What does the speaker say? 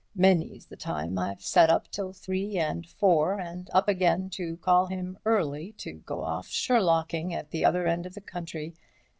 Many's the time I've sat up till three and four, and up again to call him early to go off Sherlocking at the other end of the country.